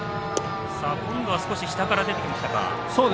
今度は少し下から出てきましたか。